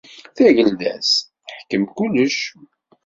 Tagelda-s teḥkem kullec.